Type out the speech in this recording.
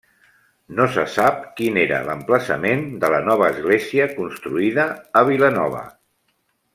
No se sap quin era l'emplaçament de la nova església construïda a Vilanova.